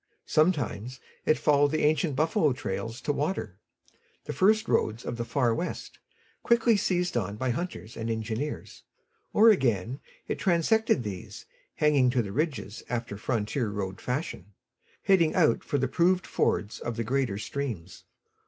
Sometimes it followed the ancient buffalo trails to water the first roads of the Far West, quickly seized on by hunters and engineers or again it transected these, hanging to the ridges after frontier road fashion, heading out for the proved fords of the greater streams.